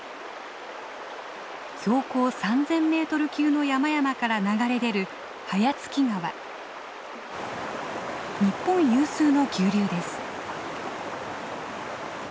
標高３，０００メートル級の山々から流れ出る日本有数の急流です。